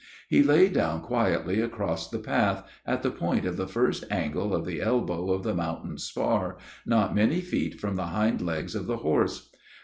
He lay down quietly across the path, at the point of the first angle of the elbow of the mountain spar, not many feet from the hind legs of the horse.